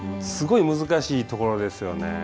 すごい難しいところですよね。